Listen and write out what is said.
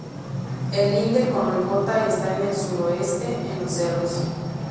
El linde con Ribota está en el suroeste, en los Cerros.